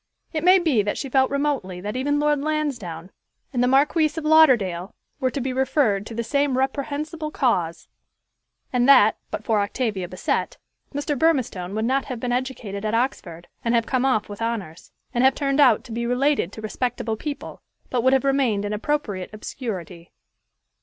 It may be that she felt remotely that even Lord Lansdowne and the Marquis of Lauderdale were to be referred to the same reprehensible cause, and that, but for Octavia Bassett, Mr. Burmistone would not have been educated at Oxford and have come off with honors, and have turned out to be related to respectable people, but would have remained in appropriate obscurity.